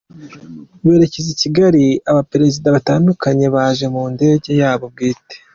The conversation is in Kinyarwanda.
Berekeza i Kigali, abaperezida batandukanye baje mu ndege yabo bwite